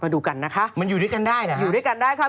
มาดูกันนะคะมันอยู่ด้วยกันได้หรอค่ะ